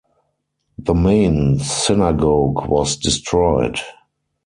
The main synagogue was destroyed.